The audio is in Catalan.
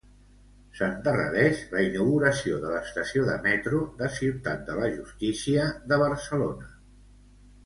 S'endarrereix la inauguració de l'estació de metro de Ciutat de la Justícia de Barcelona.